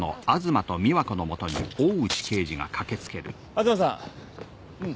東さん